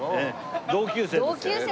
同級生ですよ。